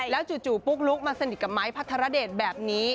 แล้วจู่ปุ๊กลุ๊กมาสนิทกับไม้พัทรเดชแบบนี้